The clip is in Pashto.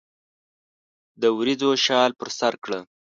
دوریځو شال پر سرکړه